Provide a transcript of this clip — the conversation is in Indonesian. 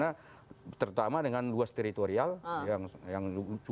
karena terutama dengan luas teritorial yang luar biasa di dapil saya seperti itu